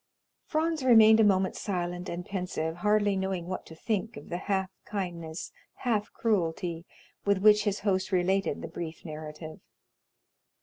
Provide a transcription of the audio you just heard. Franz remained a moment silent and pensive, hardly knowing what to think of the half kindness, half cruelty, with which his host related the brief narrative.